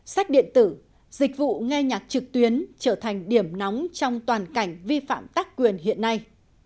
sách điện tử dịch vụ nghe nhạc trực tuyến trở thành điểm nóng trong toàn cảnh vi phạm tác quyền hiện nay